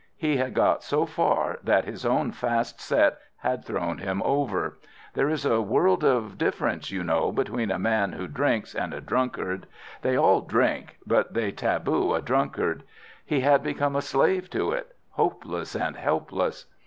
He had got so far that his own fast set had thrown him over. There is a world of difference, you know, between a man who drinks and a drunkard. They all drink, but they taboo a drunkard. He had become a slave to it—hopeless and helpless.